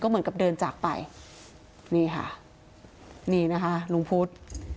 เหมือนกับเดินจากไปนี่ค่ะนี่นะคะลุงพุทธ